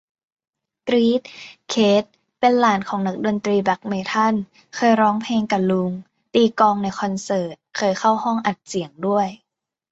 กรี๊ด เคท เป็นหลานของนักดนตรีแบล็คเมทัล เคยร้องเพลงกะลุง ตีกลองในคอนเสิร์ต เคยเข้าห้องอัดเสียงด้วย